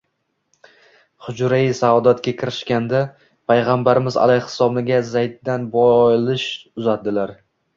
Hujrai saodatga kirishganda Payg‘ambarimiz alayhissalom Zaydga bolish uzatdilar